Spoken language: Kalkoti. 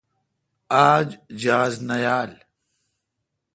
آج جاز نہ یال۔